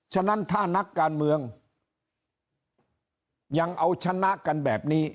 ฉะนั้นถ้านักการเมืองยังเอาชนะกันแบบนี้